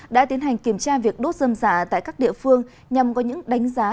đã tiến hành kiểm tra việc đốt dơm dạ tại các địa phương nhằm có những đánh giá